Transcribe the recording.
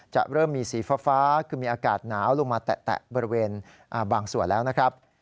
จะเริ่มมีสีฟ้าคือมีอากาศหนาวลงมาแตะบริเวณบางส่วนแล้วนะครับ